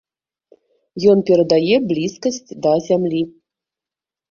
Ён перадае блізкасць да зямлі.